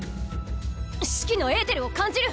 シキのエーテルを感じる！